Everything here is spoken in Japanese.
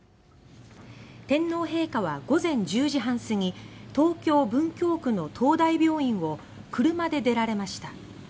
天皇陛下は午前１０時半過ぎ東京・文京区の東大病院を車で出られました。